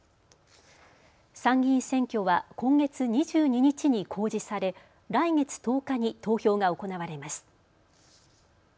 参議院選挙は今月２２日に公示され来月１０日に投票が行われます。